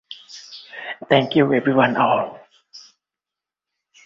As such, they belong to the class of shift-and-add algorithms.